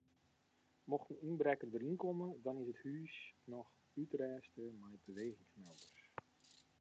Mocht in ynbrekker deryn komme dan is it hûs noch útrêste mei bewegingsmelders.